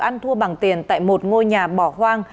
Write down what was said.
ăn thua bằng tiền tại một ngôi nhà bỏ hoang